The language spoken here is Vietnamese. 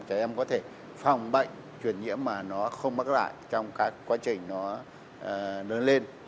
trẻ em có thể phòng bệnh truyền nhiễm mà nó không mắc lại trong các quá trình nó lớn lên